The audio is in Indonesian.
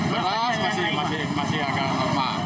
beras masih agak